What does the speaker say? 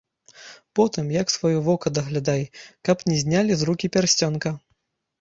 Потым, як сваё вока даглядай, каб не знялі з рукі пярсцёнка!